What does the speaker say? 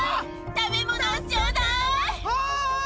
食べ物をちょうだい。